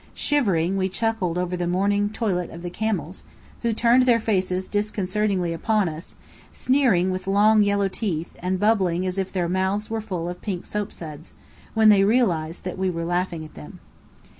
Shivering, we chuckled over the morning toilet of the camels, who turned their faces disconcertingly upon us, sneering with long yellow teeth, and bubbling as if their mouths were full of pink soapsuds, when they realized that we were laughing at them.